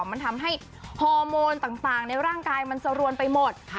มันทำให้ฮอร์โมนต่างในร่างกายมันสรวนไปหมด